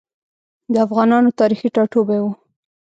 د افغانانو تاریخي ټاټوبی و.